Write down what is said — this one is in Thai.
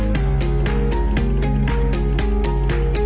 กลับมาที่นี่